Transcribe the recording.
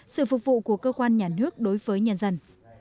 sự phục vụ của cơ quan nhà nước đối với nhân dân